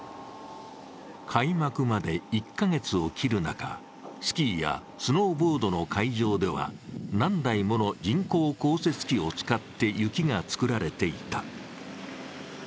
開幕まで１カ月を切る中、スキーやスノーボードの会場では何台もの人工降雪機を使って雪が作られていた。